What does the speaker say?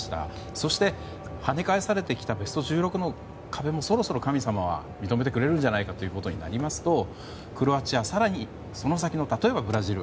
そして、はね返されてきたベスト１６の壁もそろそろ神様は認めてくれるんじゃないかとなりますとクロアチア、更にその先の例えばブラジル。